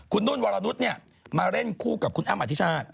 คุณนุ่นวรรณุษย์เนี่ยมาเล่นคู่กับคุณอัมอธิชาติ